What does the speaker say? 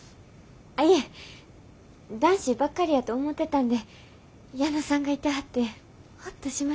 あいえ男子ばっかりやと思ってたんで矢野さんがいてはってホッとしました。